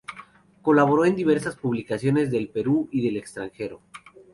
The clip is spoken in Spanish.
Colaboró en diversas publicaciones del Perú y del extranjero.